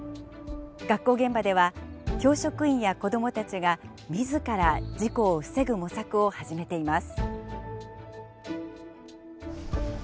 学校現場では教職員や子どもたちが自ら事故を防ぐ模索を始めています。